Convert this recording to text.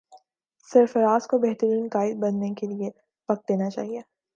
سرفراز کو بہترین قائد بننے کے لیے وقت دینا چاہیے